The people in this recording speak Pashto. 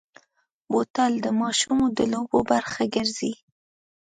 بوتل د ماشومو د لوبو برخه ګرځي.